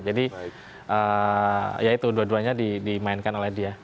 jadi ya itu dua duanya dimainkan oleh dia